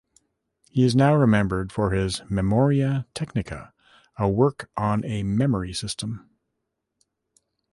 He is now remembered for his "Memoria Technica", a work on a memory system.